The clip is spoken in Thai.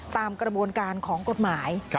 ตามกระบวนการของกฎหมาย